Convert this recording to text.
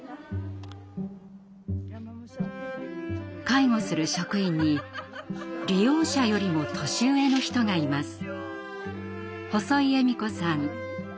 介護する職員に利用者よりも年上の人がいます。